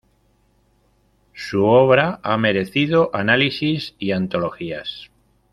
Su obra ha merecido análisis y antologías.